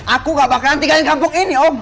aku gak bakalan tinggal di kampung ini om